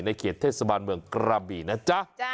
เขตเทศบาลเมืองกระบี่นะจ๊ะ